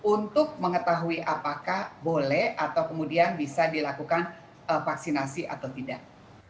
untuk mengetahui apakah boleh atau kemudian bisa dilakukan vaksinasi atau tidak